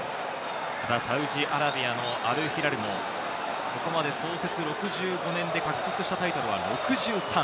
サウジアラビアのアルヒラルも、ここまで創設６５年で獲得したタイトルは６３。